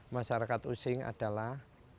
masyarakat osing adalah